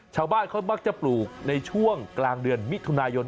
ชาวบ้านเขามักจะปลูกในช่วงกลางเดือนมิถุนายน